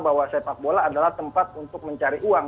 bahwa sepak bola adalah tempat untuk mencari uang